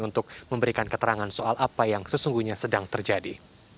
untuk memberikan keterangan soal apa yang sesungguhnya sedang terjadi